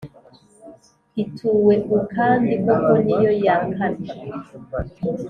ituwe u kandi koko ni yo ya kane